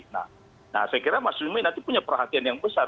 nah saya kira masyumi nanti punya perhatian yang besar